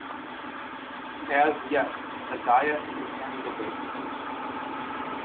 As yet, the diet is in debate.